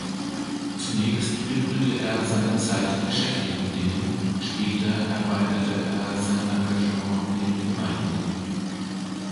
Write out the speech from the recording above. Zunächst widmete er seine Zeit geschäftlichen Dingen, später erweiterte er sein Engagement dem Gemeinwohl.